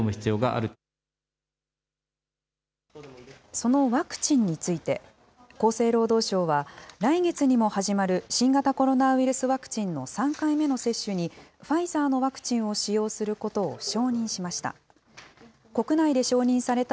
そのワクチンについて、厚生労働省は、来月にも始まる新型コロナウイルスワクチンの３回目の接種に、ファイザーのワクチンを使用することを承認しました。